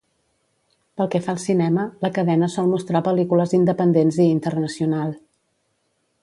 Pel que fa al cinema, la cadena sol mostrar pel·lícules independents i internacional.